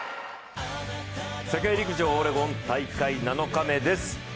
世界陸上オレゴン大会７日目です。